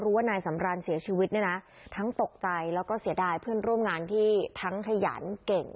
ว่านายสำราญเสียชีวิตเนี่ยนะทั้งตกใจแล้วก็เสียดายเพื่อนร่วมงานที่ทั้งขยันเก่ง